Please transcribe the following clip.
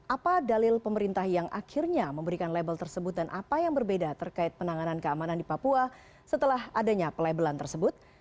apa dalil pemerintah yang akhirnya memberikan label tersebut dan apa yang berbeda terkait penanganan keamanan di papua setelah adanya pelabelan tersebut